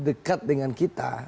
dekat dengan kita